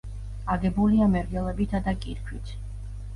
აგებულია მერგელებითა და კირქვით.